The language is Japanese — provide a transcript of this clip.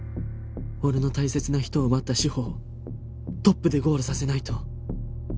俺の大切な人を奪った志法をトップでゴールさせないと